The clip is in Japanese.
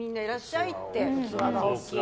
器が大きい。